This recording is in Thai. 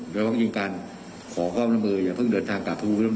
หรือว่าจริงการขอความร่วมมืออย่าเพิ่งเดินทางกลับทะพูด้วยเรา